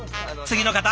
次の方。